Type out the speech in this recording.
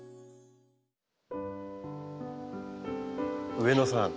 上野さん